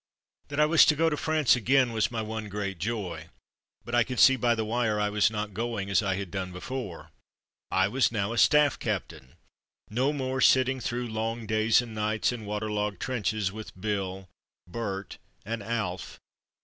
That I was to go to France again was my one great joy, but I could see by the wire I was not going as I had done before. I was now a staff captain! No more sitting through long days and nights in water logged trenches with "Bill,'' "Bert," and "Alf."